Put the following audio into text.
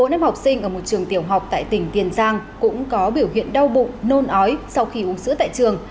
bốn em học sinh ở một trường tiểu học tại tỉnh tiền giang cũng có biểu hiện đau bụng nôn ói sau khi uống sữa tại trường